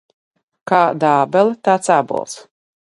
Kāda ābele, tāds ābols.